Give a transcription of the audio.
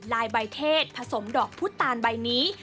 ลายใบเทศผสมดอกพุตาลใบนี้